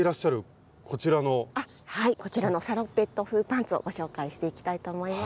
はいこちらのサロペット風パンツをご紹介していきたいと思います。